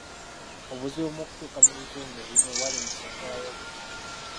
Obuzibu mu kutuuka mu bitundi ebimu bwalemesa enkola y'okugema.